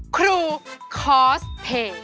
ครูคอสเพย์